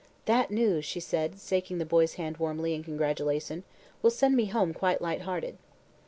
"That news," she said, shaking the boy's hand warmly in congratulation, "will send me home quite light hearted."